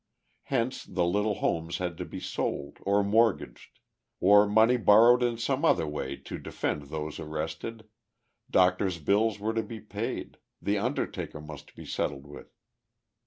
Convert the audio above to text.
Hence the little homes had to be sold or mortgaged, or money borrowed in some other way to defend those arrested, doctors' bills were to be paid, the undertaker must be settled with.